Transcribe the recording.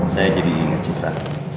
saya jadi inget citra